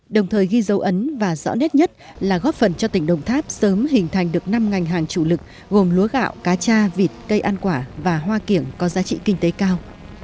đồng thời ghi dấu ấn và rõ nét nhất là góp phần cho tỉnh đồng tháp sớm hình thành được năm ngành hàng chủ lực gồm lúa gạo cá cha vịt cây ăn quả và hoa kiểng có giá trị kinh tế cao